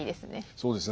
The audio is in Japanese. そうですね。